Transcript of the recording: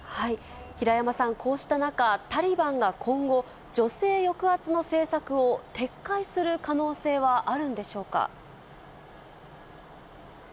平山さん、こうした中、タリバンが今後、女性抑圧の政策を撤回する可能性はあるんでしょうか。